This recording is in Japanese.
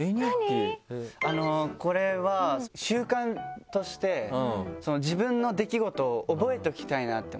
これは習慣として自分の出来事を覚えておきたいなって思って。